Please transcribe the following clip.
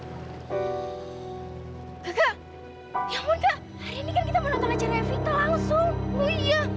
kakak ya ampun kak hari ini kan kita mau nonton acara vital langsung